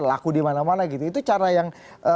laku di mana mana gitu itu cara yang